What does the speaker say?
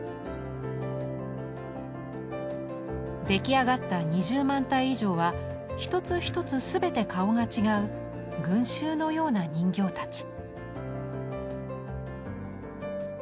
出来上がった２０万体以上は一つ一つ全て顔が違う群衆のような人形たち。